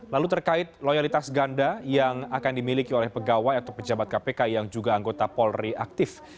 lalu terkait loyalitas ganda yang akan dimiliki oleh pegawai atau pejabat kpk yang juga anggota polri aktif